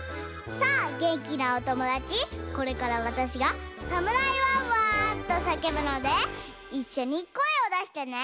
さあげんきなおともだちこれからわたしが「サムライわんわん！」とさけぶのでいっしょにこえをだしてね！